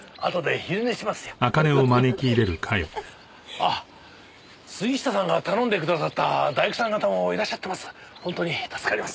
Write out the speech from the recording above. あ杉下さんが頼んでくださった大工さん方もいらっしゃってます。